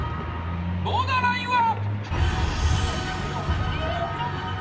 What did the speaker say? ボーダーラインは。